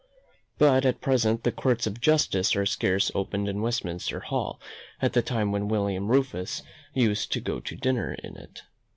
But at present, the courts of justice are scarce opened in Westminster Hall at the time when William Rufus used to go to dinner in it.